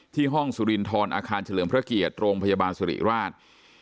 ห้องสุรินทรอาคารเฉลิมพระเกียรติโรงพยาบาลสุริราช